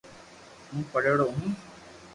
ھون پڙھيڙو ھون